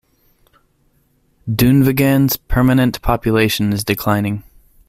Dunvegan's permanent population is declining.